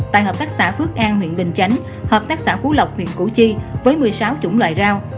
tại hợp tác xã phước an huyện bình chánh hợp tác xã phú lộc huyện củ chi với một mươi sáu chủng loại rau